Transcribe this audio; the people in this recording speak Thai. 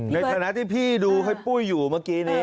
ในฐานะที่พี่ดูให้ปุ้ยอยู่เมื่อกี้นี้